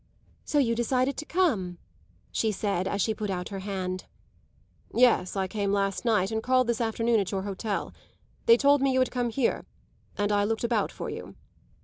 "So you decided to come?" she said as she put out her hand. "Yes, I came last night and called this afternoon at your hotel. They told me you had come here, and I looked about for you."